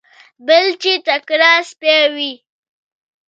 بل چې تکړه سپی وي.